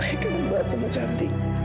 saya kangen banget sama cantik